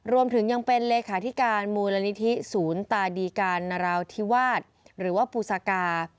รวมถึงยังเป็นเลขาธิการมูลนิธิศูนย์ตาดีการนราธิวาสหรือว่าภูซากา